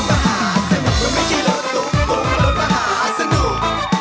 คือเขียนข้างรถและรถมหาสนุก